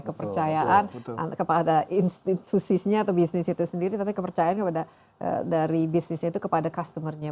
kepercayaan kepada institusinya atau bisnis itu sendiri tapi kepercayaan kepada dari bisnisnya itu kepada customer nya